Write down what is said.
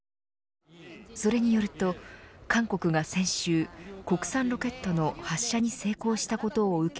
それによると、韓国が先週国産ロケットの発射に成功したことを受け